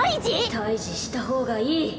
退治した方がいい